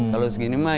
kalau segini mah